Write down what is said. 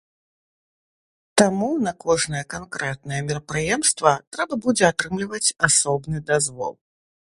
Таму на кожнае канкрэтнае мерапрыемства трэба будзе атрымліваць асобны дазвол.